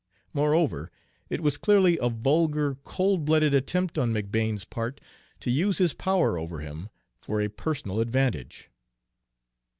Moreover, it was clearly a vulgar, cold blooded attempt on McBane's part to use his power over him for a personal advantage.